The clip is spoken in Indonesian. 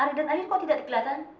ari dan ayu kok tidak dikelihatkan